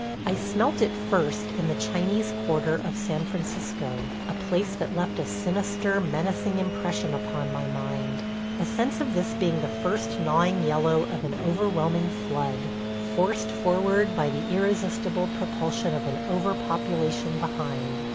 I smelt it first in the Chinese Quarter of San Francisco – a place that left a sinister, menacing impression upon my mind. A sense of this being the first gnawing yellow of an overwhelming flood – forced forward by the irresistible propulsion of an over population behind.